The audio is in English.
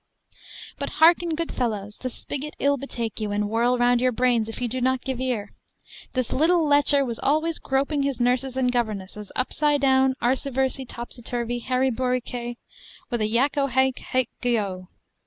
But hearken, good fellows, the spigot ill betake you, and whirl round your brains, if you do not give ear! This little lecher was always groping his nurses and governesses, upside down, arsiversy, topsyturvy, harri bourriquet, with a Yacco haick, hyck gio!